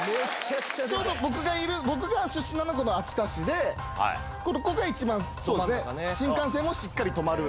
ちょうど僕がいる、僕が出身の秋田市で、ここが一番、新幹線もしっかり止まる。